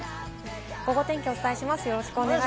ゴゴ天気をお伝えします。